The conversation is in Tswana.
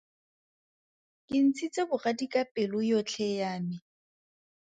Ke ntshitse bogadi ka pelo yotlhe ya me.